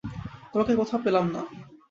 তোমাকে কোথাও পেলাম না।